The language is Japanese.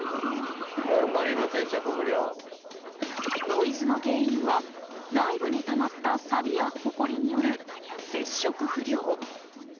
ノイズの原因は内部にたまったさびやほこりによる接触不良。